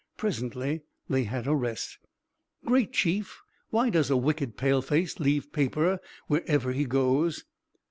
Presently they had a rest. "Great Chief, why does a wicked Paleface leave paper wherever he goes?"